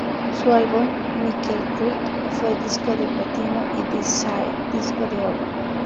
Su álbum "Nickel Creek" fue disco de platino, y "This Side", disco de oro.